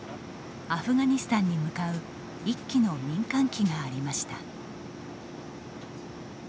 アフガニスタンに向かう１機の民間機がありました。